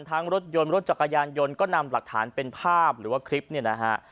รถยนต์รถจักรยานยนต์ก็นำหลักฐานเป็นภาพหรือว่าคลิปเนี่ยนะฮะ